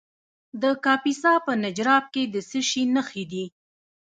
د کاپیسا په نجراب کې د څه شي نښې دي؟